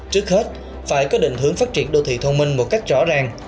trước hết phải có định hướng phát triển đô thị thông minh một cách rõ ràng